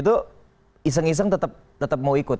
itu iseng iseng tetap mau ikut